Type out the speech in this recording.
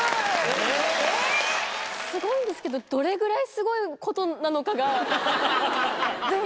すごいんですけどどれぐらいすごいことなのかが。